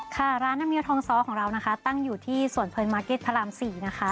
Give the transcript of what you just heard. ค่ะร้านน้ำเมียทองซ้อของเรานะคะตั้งอยู่ที่สวนเพลินมาร์เก็ตพระราม๔นะคะ